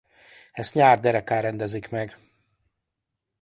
Ezt nyár derekán rendezik meg.